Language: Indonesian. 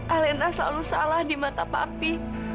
alena selalu salah di mata papi